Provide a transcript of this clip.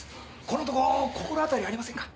この男心当たりありませんか？